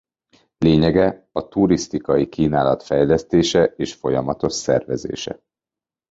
Lényege a turisztikai kínálat fejlesztése és folyamatos szervezése.